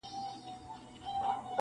امیرحمزه بابا روح دي ښاد وي,